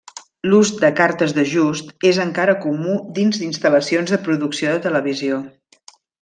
L'ús de cartes d'ajust és encara comú dins d'instal·lacions de producció de televisió.